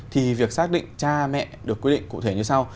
thì việc xác định cha mẹ được quy định cụ thể như sau